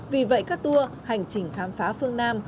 vì vậy các tour hành trình khám phá phương nam